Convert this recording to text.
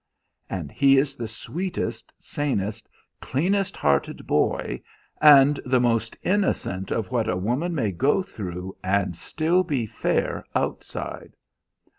"And he is the sweetest, sanest, cleanest hearted boy, and the most innocent of what a woman may go through and still be fair outside!"